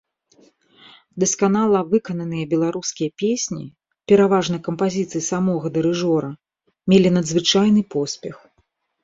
Дасканала выкананыя беларускія песні, пераважна кампазіцыі самога дырыжора, мелі надзвычайны поспех.